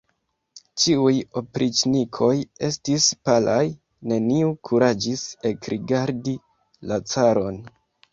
Ĉiuj opriĉnikoj estis palaj; neniu kuraĝis ekrigardi la caron.